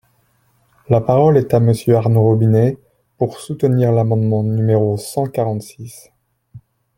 La parole est à Monsieur Arnaud Robinet, pour soutenir l’amendement numéro cent quarante-six.